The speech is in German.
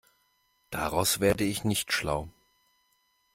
Daraus werde ich nicht schlau.